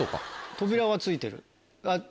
扉は付いてる。